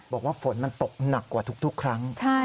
บอกว่าฝนมันตกหนักกว่าทุกครั้ง